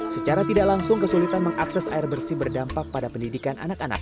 secara tidak langsung kesulitan mengakses air bersih berdampak pada pendidikan anak anak